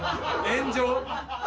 炎上？